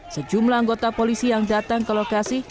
sejumlah anggota polisi yang datang ke lokasi